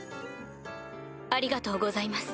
ありがとうございます。